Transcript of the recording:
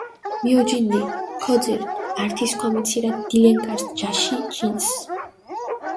მიოჯინჷნი, ქოძირჷ ართი სქვამი ცირა დილენგარს ჯაში ჯინს.